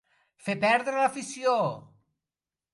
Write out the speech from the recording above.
Fer perdre l'afició.